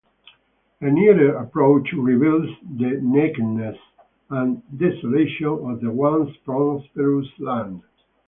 A nearer approach reveals the nakedness and desolation of the once prosperous land.